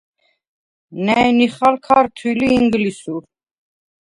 ნა̈ჲ ნიხალ ქართვილ ი ინგლისურ.